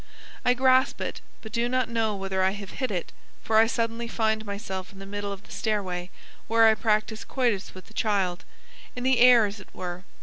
I grasp it, but do not know whether I have hit it, for I suddenly find myself in the middle of the stairway where I practice coitus with the child (in the air as it were).